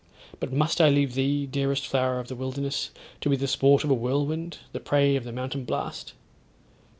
But must I leave thee, dearest flower of the wilderness, to be the sport of a whirlwind, the prey of the mountain blast?'